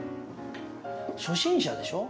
初心者でしょ？